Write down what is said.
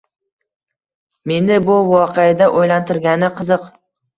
Meni bu voqeada oʻylantirgani qiziq